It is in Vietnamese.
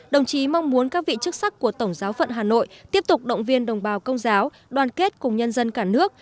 đồng chí mong muốn các vị chức sắc của tổng giáo phận hà nội tiếp tục động viên đồng bào công giáo đoàn kết cùng nhân dân cả nước